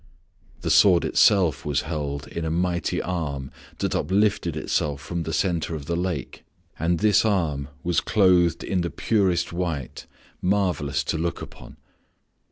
The sword itself was held in a mighty arm that uplifted itself from the center of the lake, and this arm was clothed in the purest white, marvelous to look upon.